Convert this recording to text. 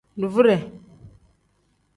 Duvude.